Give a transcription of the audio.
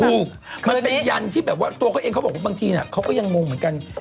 ถูกมันเป็นยันที่แบบว่าตัวเขาเองเขาบอกว่าบางทีเขาก็ยังงงเหมือนกัน